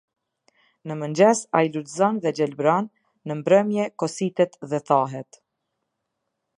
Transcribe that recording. Në mëngjes ai lulëzon dhe gjelbëron, në mbrëmje kositet dhe thahet.